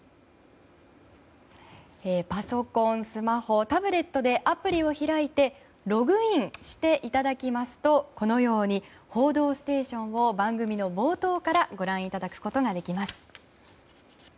パソコン、スマホ、タブレットでアプリを開いてログインしていただきますとこのように「報道ステーション」を番組の冒頭からご覧いただくことができます。